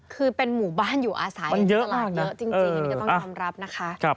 คือเป็นหมู่บ้านอยู่อาศัยตลาดเยอะจริงอันนี้ก็ต้องยอมรับนะคะ